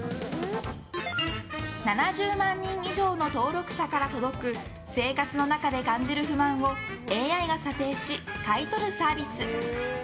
７０万人以上の登録者から届く生活の中で感じる不満をＡＩが査定し買い取るサービス。